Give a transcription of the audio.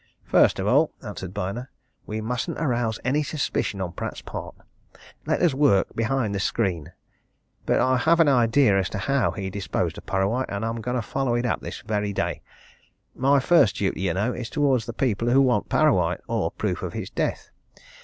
"First of all," answered Byner, "we mustn't arouse any suspicion on Pratt's part. Let us work behind the screen. But I have an idea as to how he disposed of Parrawhite, and I'm going to follow it up this very day my first duty, you know, is towards the people who want Parrawhite, or proof of his death.